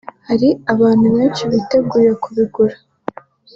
hari abantu benshi biteguye kubigura